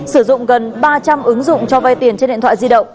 sử dụng gần ba trăm linh ứng dụng cho vay tiền trên điện thoại di động